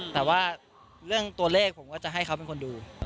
แต่ว่าเรื่องตัวเลขผมก็จะให้เขาเป็นคนดู